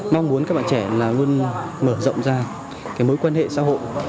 mong muốn các bạn trẻ là luôn mở rộng ra cái mối quan hệ xã hội